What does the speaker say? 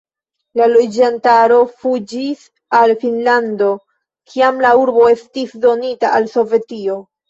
La loĝantaro fuĝis al Finnlando, kiam la urbo estis donita al Sovetio.